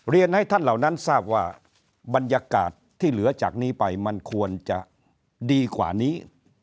เรียนให้ท่านเหล่านั้นทราบว่าบรรยากาศที่เหลือจากนี้ไปมันควรจะดีกว่านี้